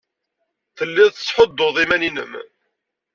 Tellid tettḥuddud iman-nnem.